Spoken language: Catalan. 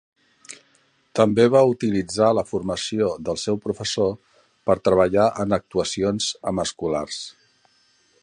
També va utilitzar la formació del seu professor per treballar en actuacions amb escolars.